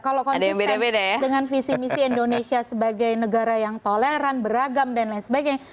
kalau konsisten dengan visi misi indonesia sebagai negara yang toleran beragam dan lain sebagainya